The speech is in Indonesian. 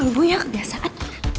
lo gue ya kebiasaan